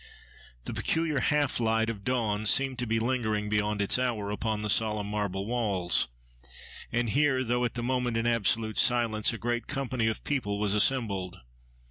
The peculiar half light of dawn seemed to be lingering beyond its hour upon the solemn marble walls; and here, though at that moment in absolute silence, a great company of people was assembled.